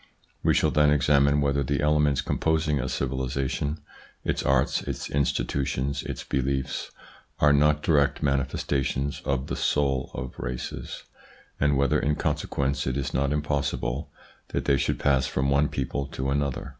We shall then examine whether the elements composing a civilisation, its arts, its institutions, its beliefs, are not direct manifestations of the soul of races, and whether in consequence it is not impossible v that they should pass from one people to another.